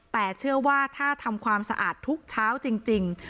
แต่เชื่อว่าถ้าทำความสะอาดทุกเช้าจริง